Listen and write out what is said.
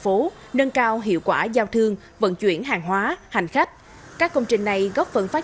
phố cho hiệu quả giao thương vận chuyển hàng hóa hành khách các công trình này góp phần phát